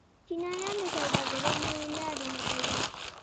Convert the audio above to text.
چینایان د سوداګرۍ نوې لارې لټوي.